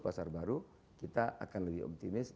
pasar baru kita akan lebih optimis